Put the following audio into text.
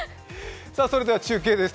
それでは中継です。